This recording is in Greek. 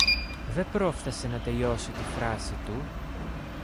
Δεν πρόφθασε να τελειώσει τη φράση του.